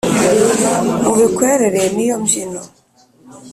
mu bikwerere niyo mbyino